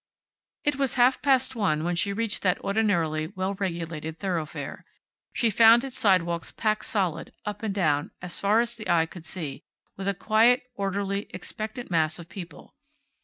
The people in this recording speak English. It was half past one when she reached that ordinarily well regulated thoroughfare. She found its sidewalks packed solid, up and down, as far as the eye could see, with a quiet, orderly, expectant mass of people.